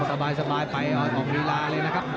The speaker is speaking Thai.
ออกมาสบายไปอ่อนของวีราเลยนะครับ